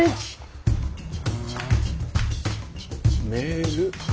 ラ・メール？